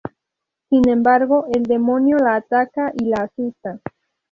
Sin embargo, el demonio la ataca y la asusta.